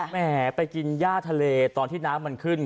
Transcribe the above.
แหมไปกินย่าทะเลตอนที่น้ำมันขึ้น